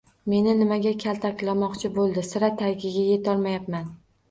Meni nimaga kaltaklamoqchi bo‘ldi, sira tagiga yetolmayapman